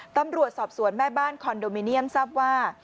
ตำรวจสอบสวนแม่บ้านคอนโดมิเนียมทราบว่า